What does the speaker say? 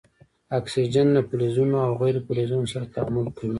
اکسیجن له فلزونو او غیر فلزونو سره تعامل کوي.